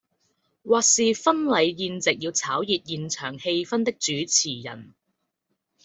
或是婚禮宴席要炒熱現場氣氛的主持人